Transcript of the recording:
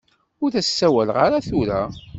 Ur as-ssawal ara tura.